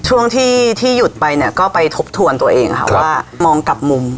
ช่วงที่ที่หยุดไปเนี่ยก็ไปทบทวนตัวเองค่ะว่ามองกลับมุม